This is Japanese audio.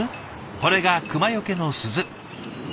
これがクマよけの鈴。